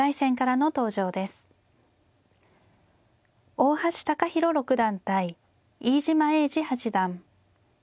大橋貴洸六段対飯島栄治八段。